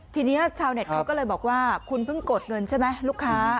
ทีนี้ชาวเน็ตเขาก็เลยบอกว่าคุณเพิ่งกดเงินใช่ไหมลูกค้า